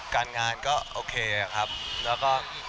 การงานก็โอเคครับแล้วก็